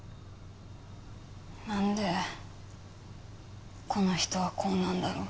なんでこの人はこうなんだろう。